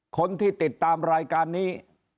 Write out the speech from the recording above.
คนที่ติดตามรายการนี้